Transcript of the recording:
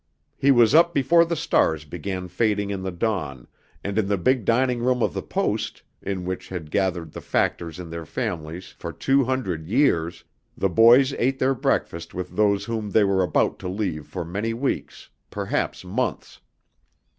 He was up before the stars began fading in the dawn, and in the big dining room of the Post, in which had gathered the factors and their families for two hundred years, the boys ate their last breakfast with those whom they were about to leave for many weeks, perhaps months.